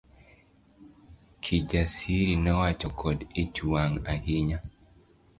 Kijasiri nowacho kod ich wang ahinya.